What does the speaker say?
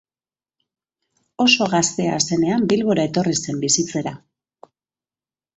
Oso gaztea zenean Bilbora etorri zen bizitzera.